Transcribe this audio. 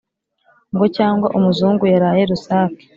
Ngo cyangwa umuzungu yaraye rusake